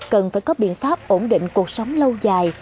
cần phải có biện pháp ổn định cuộc sống lâu dài